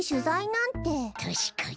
たしかに。